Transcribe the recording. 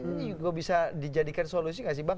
ini juga bisa dijadikan solusi nggak sih bang